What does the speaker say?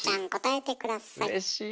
うれしい！